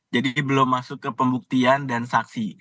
jadi belum masuk ke pembuktian dan saksi